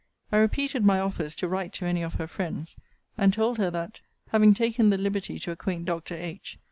I repeated my offers to write to any of her friends; and told her, that, having taken the liberty to acquaint Dr. H.